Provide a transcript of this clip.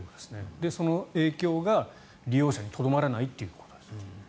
その影響が利用者にとどまらないということですね。